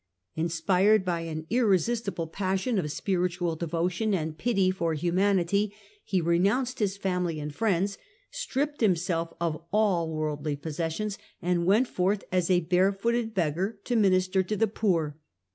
Inspired by an irresistible passion of spiritual devotion and pity for humanity, he renounced his family and friends, stripped himself of all worldly possessions, and went forth as a barefooted beggar to minister to the poor.